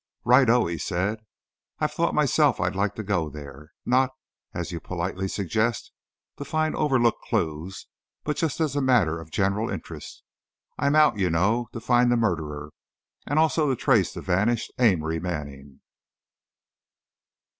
"Righto!" he said; "I've thought myself I'd like to go there. Not, as you politely suggest, to find overlooked clews, but just as a matter of general interest. I'm out, you know, to find the murderer, and also to trace the vanished Amory Manning."